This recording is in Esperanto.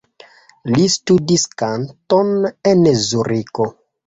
Li studis kanton en Zuriko.